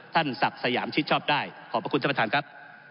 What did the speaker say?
ท่านศักดิ์สยามชิดชอบได้ขอบพระคุณสำหรับท่านครับ